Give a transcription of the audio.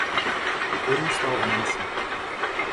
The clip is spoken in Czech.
Vyrůstal v Nancy.